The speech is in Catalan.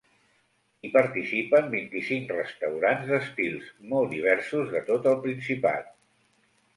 Hi participen vint-i-cinc restaurants d’estils molt diversos de tot el Principat.